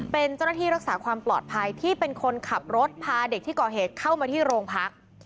เป็นเจ้าหน้าที่รักษาความปลอดภัยที่เป็นคนขับรถพาเด็กที่ก่อเหตุเข้ามาที่โรงพัก